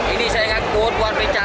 ini saya ngaku buat pecah